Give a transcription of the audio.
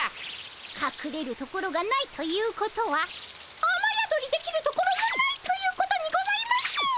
かくれるところがないということはあまやどりできるところもないということにございます！